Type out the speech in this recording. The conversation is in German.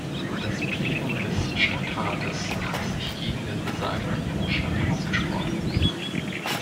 Das Plenum des Stadtrates hat sich gegen den besagten Vorschlag ausgesprochen.